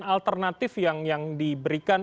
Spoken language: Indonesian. alternatif yang diberikan